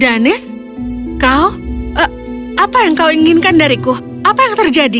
danis kau apa yang kau inginkan dariku apa yang terjadi